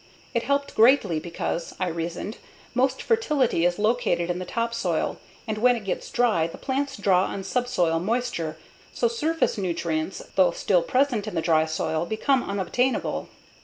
It helped greatly because, I reasoned, most fertility is located in the topsoil, and when it gets dry the plants draw on subsoil moisture, so surface nutrients, though still present in the dry soil, become unobtainable.